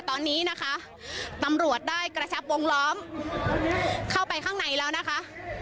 ตอนนี้นะคะตำรวจได้กระชับวงล้อมเข้าไปข้างในแล้วนะคะ